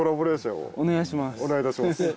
お願いします。